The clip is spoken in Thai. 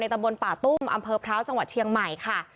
ตำบลป่าตุ้มอำเภอพร้าวจังหวัดเชียงใหม่ค่ะ